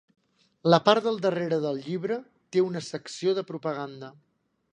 La part del darrere del llibre té una secció de propaganda.